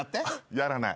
やらない。